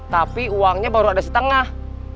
tapi uangnya baru ada setengah